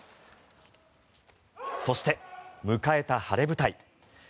そして、迎えた晴れ舞台。